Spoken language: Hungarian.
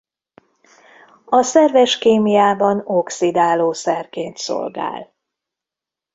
A szerves kémiában oxidálószerként szolgál.